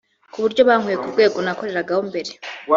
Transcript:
ku buryo bankuye ku rwego nakoreragaho mbere